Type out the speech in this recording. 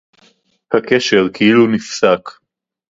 הַקֶּשֶׁר כְּאִלּוּ נִפְסַק.